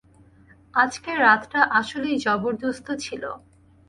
আজকের রাতটা আসলেই জবরদস্ত ছিল।